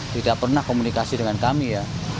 tidak pernah komunikasi dengan kami ya